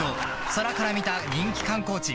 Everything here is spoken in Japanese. ［空から見た人気観光地